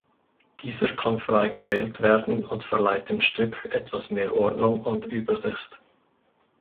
Dieser kann frei gewählt werden und verleiht dem Stück etwas mehr Ordnung und Übersicht.